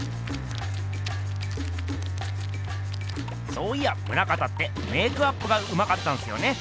そういや棟方ってメークアップがうまかったんすよね。